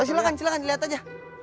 silahkan silahkan dilihat aja